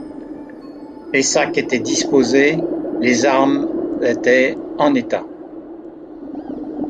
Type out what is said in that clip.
Les sacs étaient disposés, les armes étaient en état.